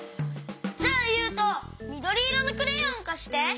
じゃあゆうとみどりいろのクレヨンかして！